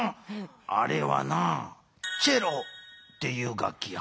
あれはなチェロっていう楽器や。